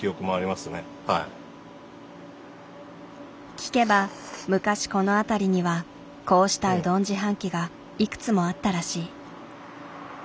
聞けば昔この辺りにはこうしたうどん自販機がいくつもあったらしい。